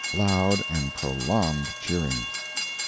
[Loud and prolonged cheering.